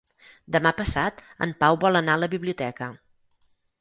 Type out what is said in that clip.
Demà passat en Pau vol anar a la biblioteca.